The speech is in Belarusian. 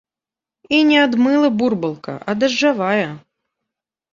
І не ад мыла бурбалка, а дажджавая.